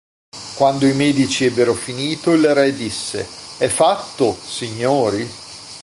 Quando i medici ebbero finito il re disse: "È fatto, signori?